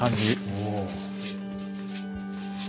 おお。